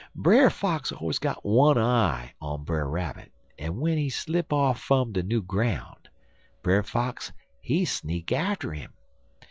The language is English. "Brer Fox allers got one eye on Brer Rabbit, en w'en he slip off fum de new groun', Brer Fox he sneak atter 'im.